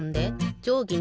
じょうぎ２